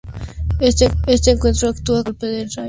Este encuentro actúa como un golpe de rayo.